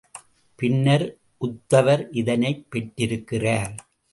பின்னர் உத்தவர் இதனைப் பெற்றிருக்கிறார்.